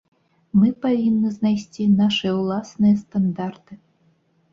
Мы павінны знайсці нашыя ўласныя стандарты.